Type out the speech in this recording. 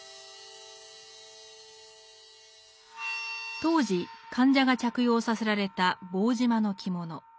当時患者が着用させられた棒縞の着物。